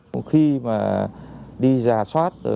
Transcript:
một khi mà đi giả soát